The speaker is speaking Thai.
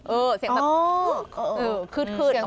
เออเสียงแบบอ้อเออ